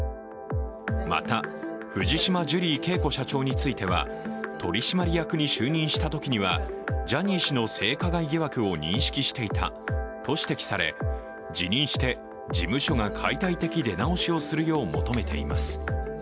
また、藤島ジュリー景子社長については取締役に就任したときにはジャニー氏の性加害疑惑を認識していたと指摘され辞任して事務所が解体的出直しをするよう求めています。